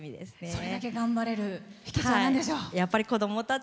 それだけ頑張れる秘けつはなんでしょう？